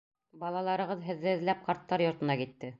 Балаларығыҙ һеҙҙе эҙләп ҡарттар йортона китте!